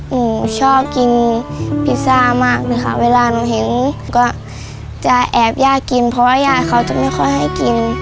หนูชอบกินพิซซ่ามากต่อก็จะแอบยากินเพราะว่ายาวเขาจะไม่ค่อยให้กิน